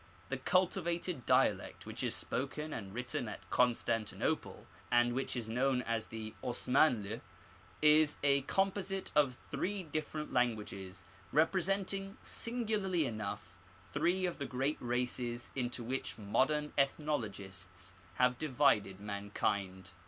The cultivated dialect which is spoken and written at Constantinople, and which is known as the Osmanli, is a composite of three distinct languages, representing, singu larly enough, three of the great races into which modem ethno logists have divided mankind.